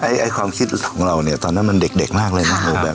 ไอ้ความคิดของเราเนี่ยตอนนั้นมันเด็กมากเลยนะ